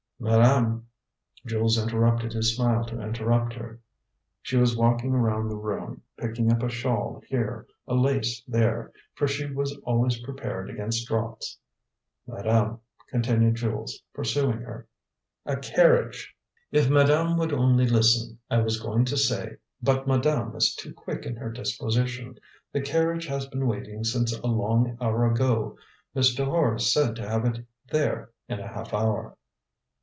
"Madame " Jules interrupted his smile to interrupt her. She was walking around the room, picking up a shawl here, a lace there; for she was always prepared against draughts. "Madame " continued Jules, pursuing her. "A carriage." "If madame would only listen, I was going to say but madame is too quick in her disposition the carriage has been waiting since a long hour ago. Mr. Horace said to have it there in a half hour."